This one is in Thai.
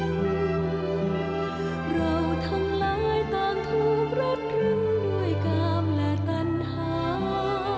เราทั้งหลายต่างถูกรัดลึงด้วยกามและตัณหา